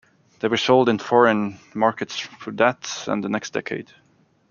They were sold in foreign markets through that and the next decade.